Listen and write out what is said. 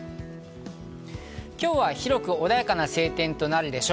今日は広く穏やかな晴天となるでしょう。